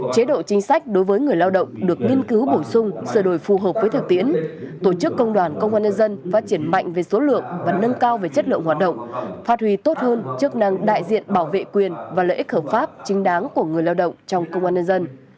chế độ chính sách đối với người lao động được nghiên cứu bổ sung sửa đổi phù hợp với thực tiễn tổ chức công đoàn công an nhân dân phát triển mạnh về số lượng và nâng cao về chất lượng hoạt động phát huy tốt hơn chức năng đại diện bảo vệ quyền và lợi ích hợp pháp chính đáng của người lao động trong công an nhân dân